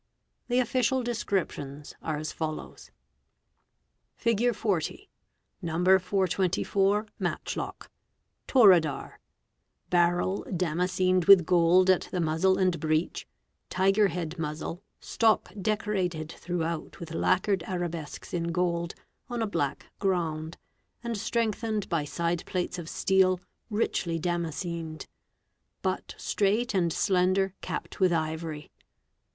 The ofticial descriptions are as follows :— im Figure 40, "No. 424, Matchlock; "'Toradar"' ; barrel lamang with gold at the muzzle and breech; tiger head sacha stock decorated throughout with lacquered arabesques in gold, on a black ground, and strengthened by side plates of steel, richly damascened ; one: straight and slender, capped with ivory.